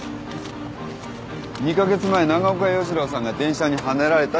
２カ月前長岡洋一郎さんが電車にはねられた時刻。